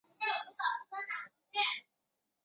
芳香白珠为杜鹃花科白珠树属的植物。